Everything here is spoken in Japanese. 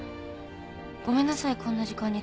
ごめんなさいこんな時間に電話して。